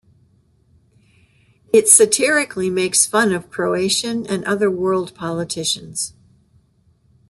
It satirically makes fun of Croatian and other world politicians.